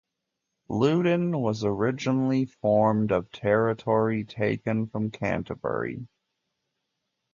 Loudon was originally formed of territory taken from Canterbury.